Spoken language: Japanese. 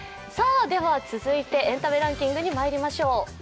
続いてエンタメランキングにまいりましょう。